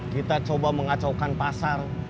kita coba mengacaukan pasar